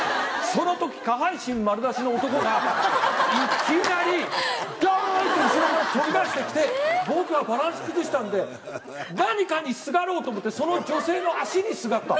その時下半身丸出しの男がいきなりドン！と後ろから飛び出して来て僕はバランス崩したんで何かにすがろうと思ってその女性の脚にすがった。